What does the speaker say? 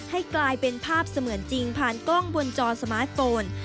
ให้กลายเป็นภาพเสมือนจริงผ่านกล้องบนจอสมาร์ทโฟน